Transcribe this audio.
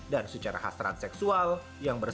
dan secara hasrat seksual yang berbeda